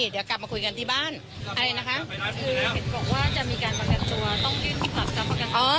เดี๋ยวกลับมาคุยกันที่บ้านอะไรนะคะคือเห็นกลัวว่าจะมีการประกันจัว